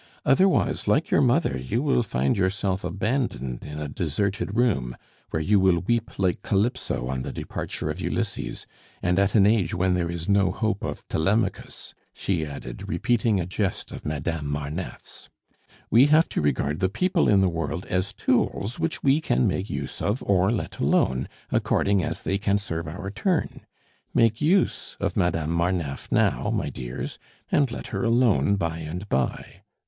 "Otherwise, like your mother, you will find yourself abandoned in a deserted room, where you will weep like Calypso on the departure of Ulysses, and at an age when there is no hope of Telemachus " she added, repeating a jest of Madame Marneffe's. "We have to regard the people in the world as tools which we can make use of or let alone, according as they can serve our turn. Make use of Madame Marneffe now, my dears, and let her alone by and by.